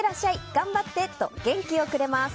頑張って！と元気をくれます。